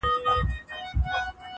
• په ځالۍ کي یې ساتمه نازومه -